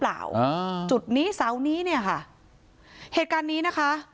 อ่าจุดนี้เสานี้เนี่ยค่ะเหตุการณ์นี้นะคะ